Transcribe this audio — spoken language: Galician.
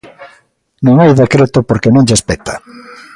Non hai decreto porque non lles peta.